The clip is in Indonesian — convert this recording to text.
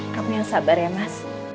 kamu yang sabar ya mas